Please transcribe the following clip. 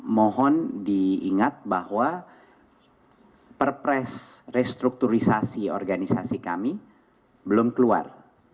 mohon diingat bahwa perpres restrukturisasi organisasi kami belum keluar